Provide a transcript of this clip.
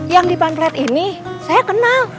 yang di pamplet ini saya kenal